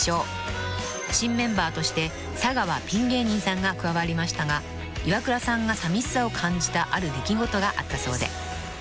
［新メンバーとして佐川ピン芸人さんが加わりましたがイワクラさんがさみしさを感じたある出来事があったそうで］